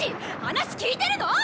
話聞いてるの？